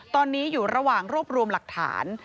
ตอนนี้อยู่ระหว่างรวบรวมหลักฐาน